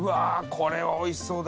これおいしそうだ！